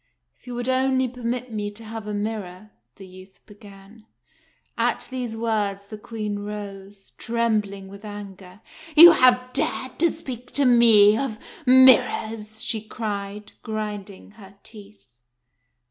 "If you would only permit me to have a mirror" — the youth began. At these words the Queen rose, trembling with anger. "You have dared to speak to me of mirrors!" she cried, grinding her teeth.